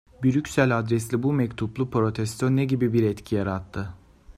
Brüksel adresli bu mektuplu protesto ne gibi bir etki yarattı?